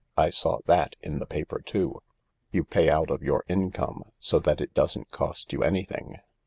" I saw that in the paper too. You pay out of your income so that it doesn't cost you anything.